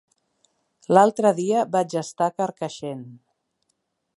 L'altre dia vaig estar a Carcaixent.